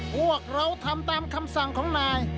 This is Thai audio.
พวกเราทำตามคำสั่งของนาย